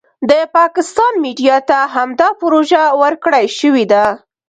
د پاکستان میډیا ته همدا پروژه ورکړای شوې ده.